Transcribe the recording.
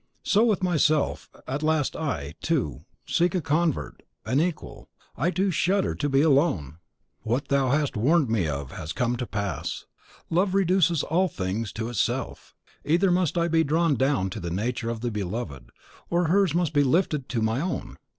So with myself; at last I, too, seek a convert, an equal, I, too, shudder to be alone! What thou hast warned me of has come to pass. Love reduces all things to itself. Either must I be drawn down to the nature of the beloved, or hers must be lifted to my own.